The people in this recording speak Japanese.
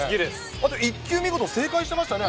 あと１級見事、正解してましたね。